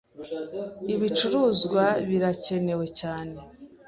Ibicuruzwa birakenewe cyane.